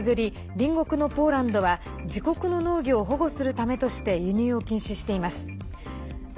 隣国のポーランドは自国の農業を保護するためとして輸出を禁止し、ウクライナとの外交問題になっています。